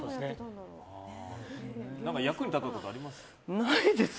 役に立ったことあります？